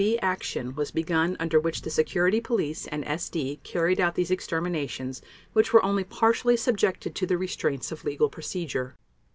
B. action was begun under which the Security Police and SD carried out these exterminations which were only partially subjected to the restraints of legal procedure.